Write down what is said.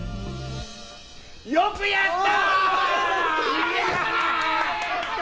よくやったー！